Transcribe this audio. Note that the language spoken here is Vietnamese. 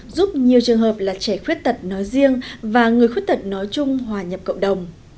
giúp nhiều trường hợp là trẻ khuyết tật nói riêng và người khuyết tật nói chung hòa nhập cộng đồng